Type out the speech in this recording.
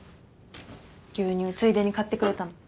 牛乳ついでに買ってくれたの？